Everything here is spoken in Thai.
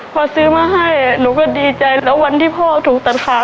พอซื้อมาให้หนูก็ดีใจแล้ววันที่พ่อถูกตัดขาด